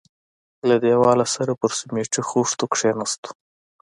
له دېواله سره پر سميټي خښتو کښېناستو.